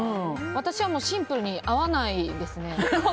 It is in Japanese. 私はシンプルに合わないですね。